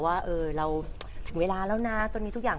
พูดถึงวางแผนที่จะแต่ง